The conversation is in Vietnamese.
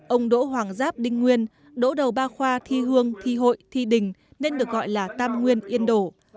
ông đỗ hoàng giáp đinh nguyên đỗ đầu ba khoa thi hương thi hội thi đình nên được gọi là tam nguyên yên đổ